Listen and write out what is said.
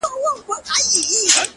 رب دي سپوږمۍ كه چي رڼا دي ووينمه؛